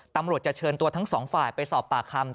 ตำรวจจะเชิญตัวทั้งสองฝ่ายไปสอบปากคำ